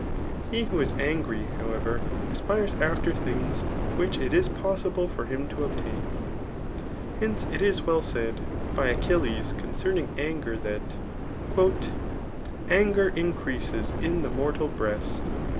He who is angry, however, aspires after things which it is posable for him to obtain. Hence it is well said [by Achilles'] concerning anger, that. Anger increases in the mortal breast.